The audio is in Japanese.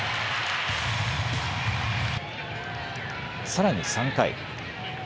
さらに３回。